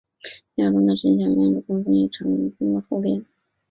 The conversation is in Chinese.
庙中的神像原是供奉于长和宫的后殿。